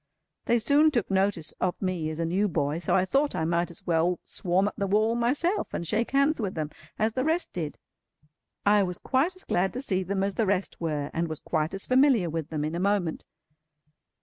They soon took notice of me as a new boy, so I thought I might as well swarm up the wall myself, and shake hands with them as the rest did. I was quite as glad to see them as the rest were, and was quite as familiar with them in a moment.